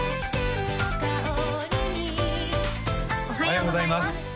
おはようございます